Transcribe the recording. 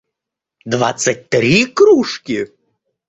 двадцать три кружки